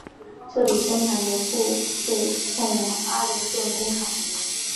这里生产的布被送往阿灵顿工厂。